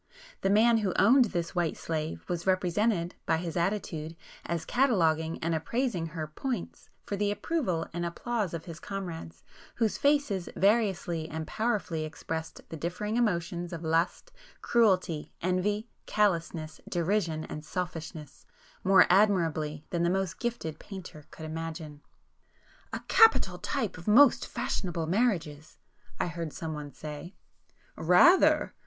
The man who owned this white slave was represented, by his attitude, as cataloguing and appraising her 'points' for the approval and applause of his comrades, whose faces variously and powerfully expressed the differing emotions of lust, cruelty, envy, callousness, derision, and selfishness, more admirably than the most gifted painter could imagine. [p 278]"A capital type of most fashionable marriages!" I heard some one say. "Rather!"